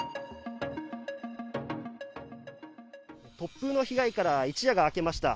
突風の被害から一夜が明けました。